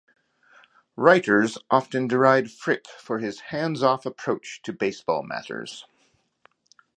Writers often derided Frick for his hands-off approach to baseball matters.